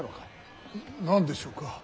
・何でしょうか。